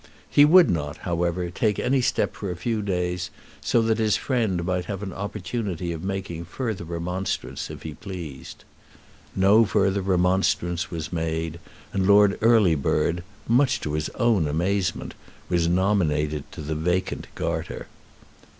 He would not, however, take any step for a few days so that his friend might have an opportunity of making further remonstrance if he pleased. No further remonstrance was made, and Lord Earlybird, much to his own amazement, was nominated to the vacant Garter.